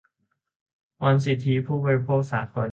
วันสิทธิผู้บริโภคสากล